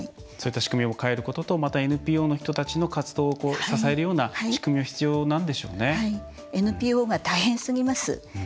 そういった仕組みを変えることとまた、ＮＰＯの人たちの活動を支えるような仕組みがＮＰＯが大変すぎます。